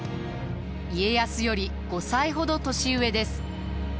家康より５歳ほど年上です。